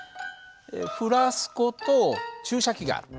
フラスコと注射器がある。